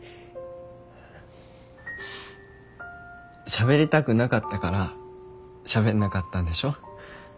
しゃべりたくなかったからしゃべんなかったんでしょ？